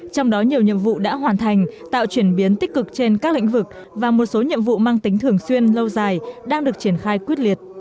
trong đó nhiều nhiệm vụ đã hoàn thành tạo chuyển biến tích cực trên các lĩnh vực và một số nhiệm vụ mang tính thường xuyên lâu dài đang được triển khai quyết liệt